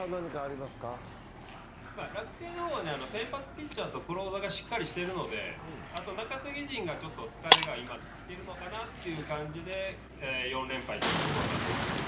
楽天の方は先発ピッチャーとクローザーがしっかりしてるんであと、中継ぎ陣が今ちょっと疲れがきてるのかなという感じで４連敗というところだと思います。